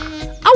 oh ini bagus